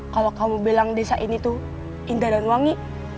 kalau kamu bilang desa ini tuh indah dan wangi